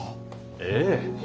ええ。